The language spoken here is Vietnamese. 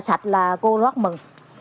sạch là cô rất mừng